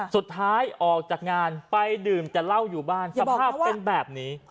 สุดท้ายออกจากงานไปดื่มแต่เหล้าอยู่บ้านสภาพเป็นแบบนี้